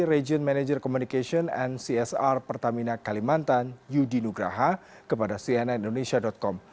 region manager communication and csr pertamina kalimantan yudi nugraha kepada cnindonesia com